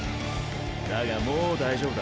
だがもう大丈夫だ。